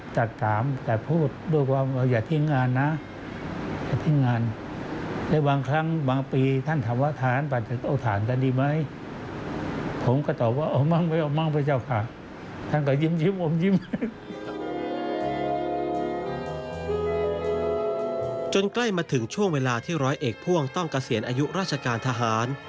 ใกล้มาถึงช่วงเวลาที่ร้อยเอกพ่วงต้องเกษียณอายุราชการทหาร